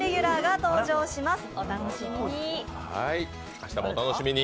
明日もお楽しみに。